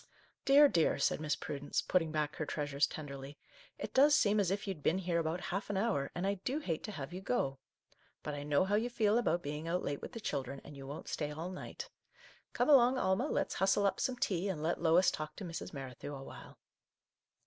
" Dear, dear !" said Miss Prudence, putting back her treasures tenderly, " it does seem as if you'd been here about half an hour, and I do hate to have you go ! But I know how you feel about being out late with the children, and you won't stay all night. Come along, Our Little Canadian Cousin 115 Alma, let's hustle up some tea, and let Lois talk to Mrs. Merrithew awhile."